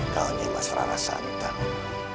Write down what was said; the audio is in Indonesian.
kau ini mas rara santang